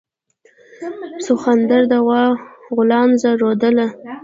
سخوندر د غوا غولانځه رودله.